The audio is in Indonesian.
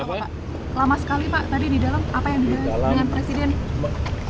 bapak lama sekali pak tadi di dalam apa yang dibahas dengan presiden